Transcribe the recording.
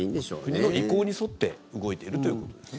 国の意向に沿って動いているということですね。